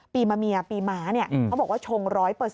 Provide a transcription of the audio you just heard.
ปีมะเมียปีม้าเนี่ยเค้าบอกว่าชง๑๐๐